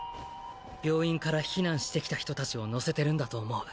病院から避難してきた人達を乗せてるんだと思う。